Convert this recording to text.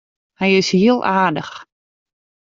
Hy is hiel aardich.